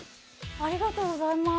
ありがとうございます。